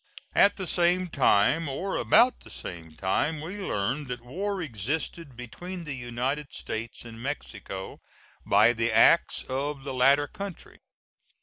At the same time, or about the same time, we learned that war existed between the United States and Mexico, by the acts of the latter country.